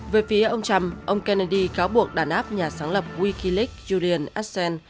về phía ông trump ông kennedy cáo buộc đàn áp nhà sáng lập wikileaks julian assange